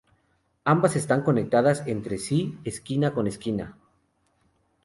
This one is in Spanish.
Ambas están conectadas entre sí, esquina con esquina.